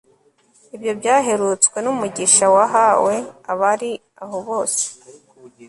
ibyo byaherutswe n'umugisha wahawe abari aho bose